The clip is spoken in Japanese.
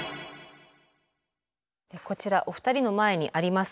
こちらお二人の前にあります